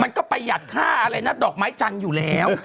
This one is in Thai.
มันก็ประหยัดค่าอะไรนะดอกไม้จังอยู่แล้ว